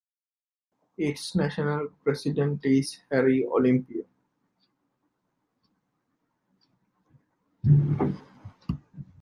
Its National President is Harry Olympio.